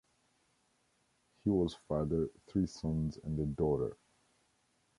He was father three sons and a daughter.